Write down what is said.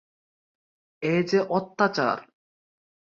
এ যে অত্যাচার!